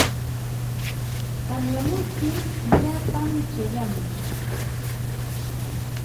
Tamyamuptin illapam chayamun.